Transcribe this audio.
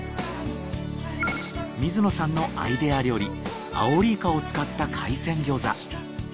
水野さんのアイデア料理アオリイカを使った海鮮餃子。